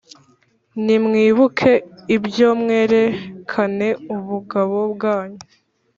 Nimwibuke ibyo mwerekane ubugabo bwanyu